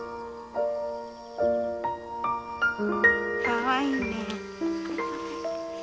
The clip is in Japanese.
かわいいね。